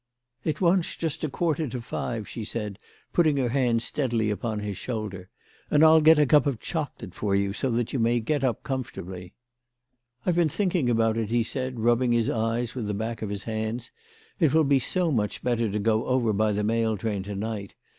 " It wants just a 232 CHRISTMAS AT THOMPSON HALL. quarter to five," she said, putting her hand steadily upon his shoulder, " and I'll get a cup of chocolate for you, so that you may get up comfortably." " I've been thinking about it," he said, rubbing his eyes with the back of his hands. " It will be so much better to go over by the mail train to night.